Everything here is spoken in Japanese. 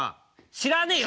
知らねえよ